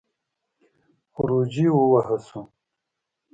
خروجی ووهه شو.